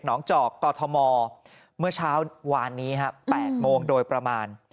งจอกกอทมเมื่อเช้าวานนี้ฮะ๘โมงโดยประมาณ